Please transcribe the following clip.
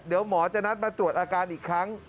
เดี๋ยวหมอจะนัดมาตรวจอาการอีกครั้ง